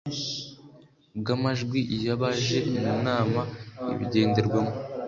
bw amajwi y abaje mu nama ibigenderwaho